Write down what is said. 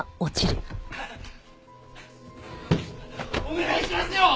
お願いしますよ！